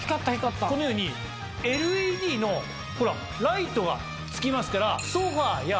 このようにＬＥＤのライトがつきますから。